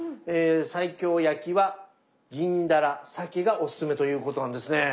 西京焼きは銀ダラサケがおすすめということなんですね。